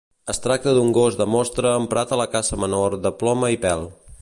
Es tracta d'un gos de mostra emprat a la caça menor de ploma i pèl.